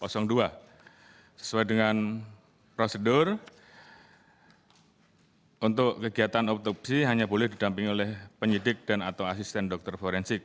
sesuai dengan prosedur untuk kegiatan otopsi hanya boleh didampingi oleh penyidik dan atau asisten dokter forensik